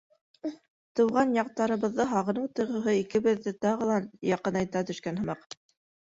Тыуған яҡтарыбыҙҙы һағыныу тойғоһо икебеҙҙе тағы ла яҡынайта төшкән һымаҡ.